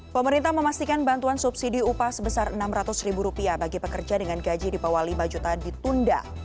pemerintah memastikan bantuan subsidi upah sebesar rp enam ratus bagi pekerja dengan gaji di bawah rp lima ditunda